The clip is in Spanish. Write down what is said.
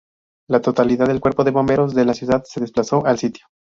La totalidad del cuerpo de bomberos de la ciudad se desplazó al sitio.